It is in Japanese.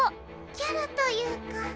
キャラというか。